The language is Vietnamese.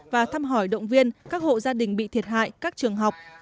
và thăm hỏi động viên các hộ gia đình bị thiệt hại các trường học